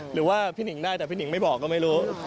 หรือว่าพี่หนิงได้แต่พี่หนิงไม่บอกก็ไม่รู้